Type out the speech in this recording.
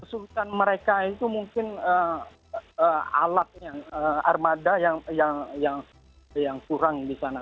kesulitan mereka itu mungkin eh alatnya armada yang yang yang yang kurang di sana